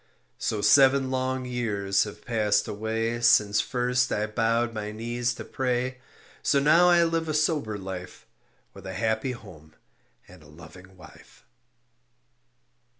So seven long years have passed away Since first I bowed my knees to pray; So now I live a sober life With a happy home and a loving wife.